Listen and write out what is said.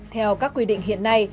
theo các quy định hiện nay